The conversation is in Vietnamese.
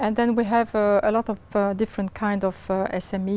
để việt nam